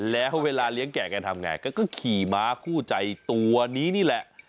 แล้วเวลาเลี้ยงแก่กันทำไงก็ขี่ม้าคู่ใจตัวนี้นี่แหละ